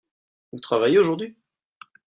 Vous travaillez aujourd'hui ?